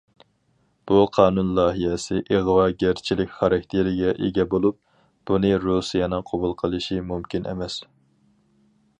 بۇ قانۇن لايىھەسى ئىغۋاگەرچىلىك خاراكتېرىگە ئىگە بولۇپ، بۇنى رۇسىيەنىڭ قوبۇل قىلىشى مۇمكىن ئەمەس.